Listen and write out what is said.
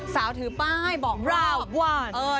สาวถือป้ายบอกว่าราวน์